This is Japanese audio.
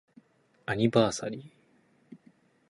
アニバーサリー